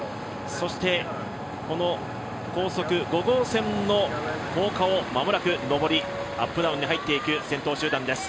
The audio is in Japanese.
そして、高速５号線の高架の上り、アップダウンに入っていく先頭集団です。